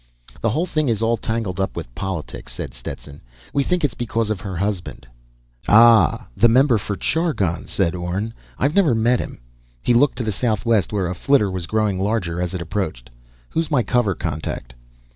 "This whole thing is all tangled up with politics," said Stetson. "We think it's because of her husband." "Ahhhh, the member for Chargon," said Orne. "I've never met him." He looked to the southwest where a flitter was growing larger as it approached. "Who's my cover contact?"